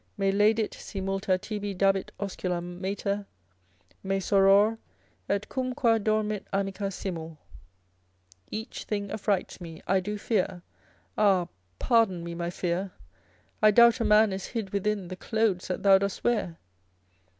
Me laedit si multa tibi dabit oscula mater, Me soror, et cum qua dormit amica simul. Each thing affrights me, I do fear, Ah pardon me my fear, I doubt a man is hid within The clothes that thou dost wear.